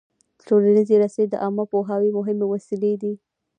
ټولنیزې رسنۍ د عامه پوهاوي مهمې وسیلې دي.